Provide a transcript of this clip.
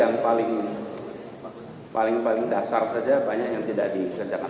bahkan yang paling dasar saja banyak yang tidak dikerjakan